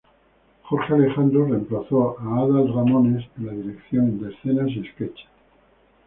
Jorge Alejandro reemplazó a Adal Ramones en la dirección de escena y sketches.